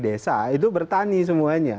desa itu bertani semuanya